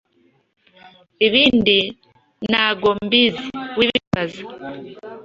Ibindi nago mbizi wibimbaza